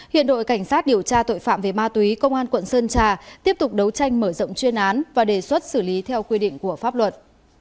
hiện đội cảnh sát điều tra tội phạm về ma túy công an quận sơn trà tiếp tục đấu tranh mở rộng chuyên án và đề xuất xử lý theo quy định của pháp luật